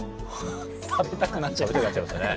食べたくなっちゃいますね。